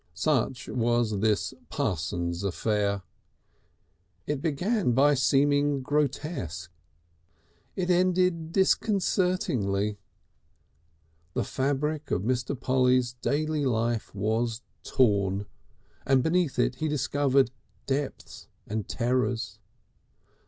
Such was this Parsons affair. It began by seeming grotesque; it ended disconcertingly. The fabric of Mr. Polly's daily life was torn, and beneath it he discovered depths and terrors.